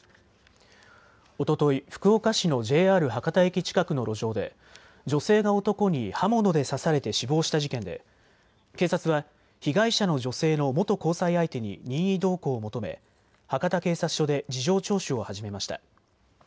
おととい福岡市のＪＲ博多駅近くの路上で女性が男に刃物で刺されて死亡した事件で警察は被害者の女性の元交際相手に任意同行を求め博多警察署で事情聴取を始めました。